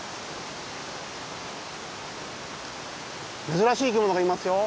珍しい生き物がいますよ。